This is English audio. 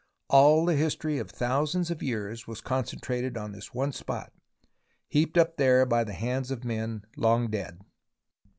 All the history of thousands of years was con centrated on this one spot, heaped up there by the hands of men long dead.